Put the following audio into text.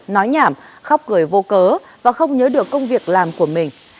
nói nhảm khóc cười vô cớ và không nhớ được công việc làm của mình